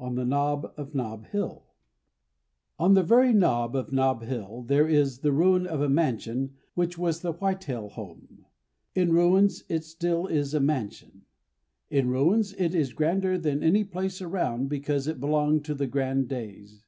On the Nob of Nob Hill On the very nob of Nob Hill there is the ruin of a mansion which was the Whittell home. In ruins it still is a mansion. In ruins it is grander than any place around because it belonged to the grand days.